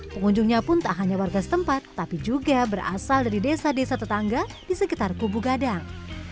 pengunjungnya pun tak hanya warga setempat tapi juga berasal dari desa desa tetangga di sekitar kubu gadang